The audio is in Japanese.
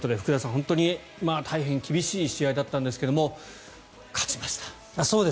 本当に大変厳しい試合だったんですが勝ちました。